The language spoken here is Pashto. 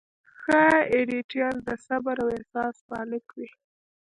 ښه ایډیټر د صبر او احساس مالک وي.